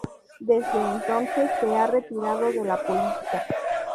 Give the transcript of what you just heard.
Desde entonces se ha retirado de la política.